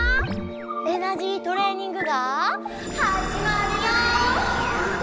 エナジートレーニングがはじまるよ！